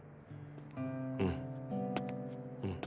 うんうん。